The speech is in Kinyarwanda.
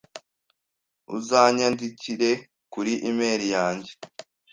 Uzanyandikire kuri email yanjye